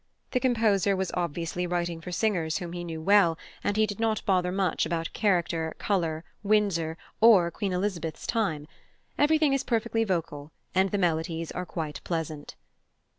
The composer was obviously writing for singers whom he knew well, and he did not bother much about character, colour, Windsor, or Queen Elizabeth's time; everything is perfectly vocal, and the melodies are quite pleasant.